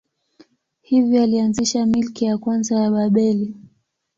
Hivyo alianzisha milki ya kwanza ya Babeli.